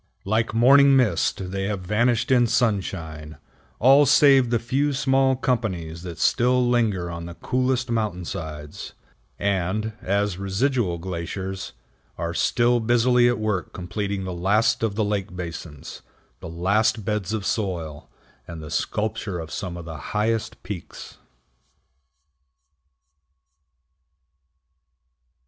Like morning mist they have vanished in sunshine, all save the few small companies that still linger on the coolest mountainsides, and, as residual glaciers, are still busily at work completing the last of the lake basins, the last beds of soil, and the sculpture of some of the highest peaks.